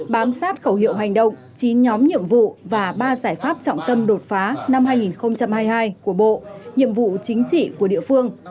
bám sát khẩu hiệu hành động chín nhóm nhiệm vụ và ba giải pháp trọng tâm đột phá năm hai nghìn hai mươi hai của bộ nhiệm vụ chính trị của địa phương